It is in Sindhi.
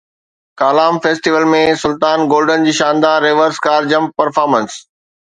ڪالام فيسٽيول ۾ سلطان گولڊن جي شاندار ريورس ڪار جمپ پرفارمنس